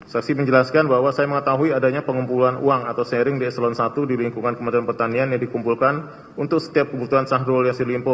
saksi menjelaskan bahwa saya mengetahui adanya pengumpulan uang atau sharing di eselon i di lingkungan kementerian pertanian yang dikumpulkan untuk setiap kebutuhan syahrul yassin limpo